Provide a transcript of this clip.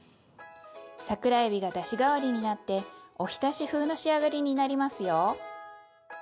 桜えびがだし代わりになっておひたし風の仕上がりになりますよ。